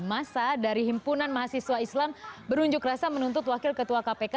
masa dari himpunan mahasiswa islam berunjuk rasa menuntut wakil ketua kpk